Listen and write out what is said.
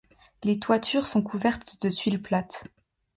Les toitures sont couvertes de tuiles plates.